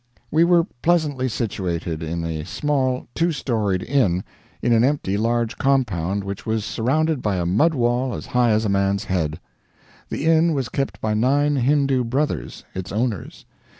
We were pleasantly situated in a small two storied inn, in an empty large compound which was surrounded by a mud wall as high as a man's head. The inn was kept by nine Hindoo brothers, its owners.